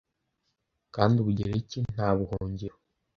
kandi ubugereki nta buhungiro